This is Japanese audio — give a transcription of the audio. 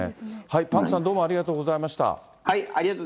パンクさん、どうもありがとうございました。